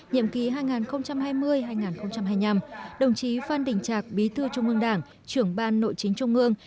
nhiệm ký hai nghìn hai mươi hai nghìn hai mươi năm đồng chí phan đình trạc bí thư trung ương đảng trưởng ban nội chính trung ương